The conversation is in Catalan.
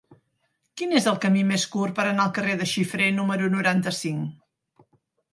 Quin és el camí més curt per anar al carrer de Xifré número noranta-cinc?